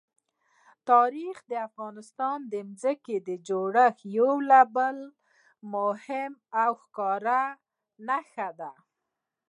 تاریخ د افغانستان د ځمکې د جوړښت یوه بله مهمه او ښکاره نښه ده.